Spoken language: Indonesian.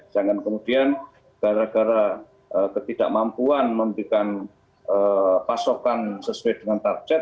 jangan kemudian gara gara ketidakmampuan memberikan pasokan sesuai dengan target